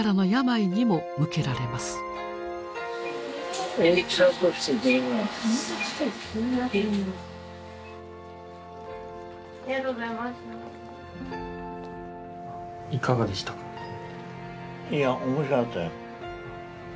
いや面白かったよ。